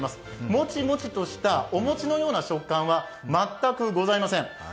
もちもちとしたお餅のような食感は全くございません。